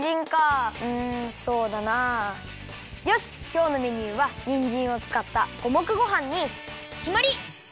きょうのメニューはにんじんをつかった五目ごはんにきまり！